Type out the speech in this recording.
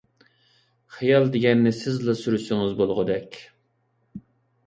خىيال دېگەننى سىزلا سۈرسىڭىز بولغۇدەك.